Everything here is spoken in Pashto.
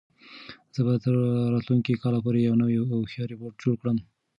زه به تر راتلونکي کال پورې یو نوی او هوښیار روبوټ جوړ کړم.